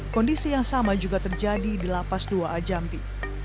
kondisi yang sama juga terjadi di lapas dua ajambi